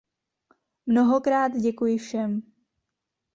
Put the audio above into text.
Mnohokrát děkuji všem.